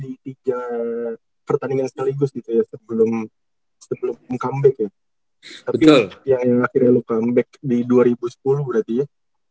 yang akhirnya lo comeback di dua ribu sepuluh berarti ya